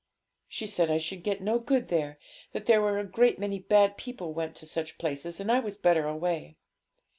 'She said I should get no good there that there were a great many bad people went to such places, and I was better away.'